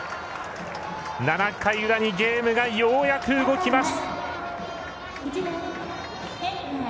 ７回裏にゲームがようやく動きます。